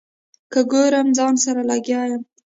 که ګورم ځان سره لګیا یم.